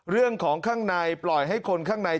เรื่องของข้างในปล่อยให้คนข้างใน